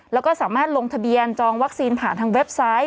แล้วก็สามารถลงทะเบียนจองวัคซีนผ่านทางเว็บไซต์